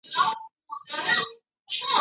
祖父涂国升。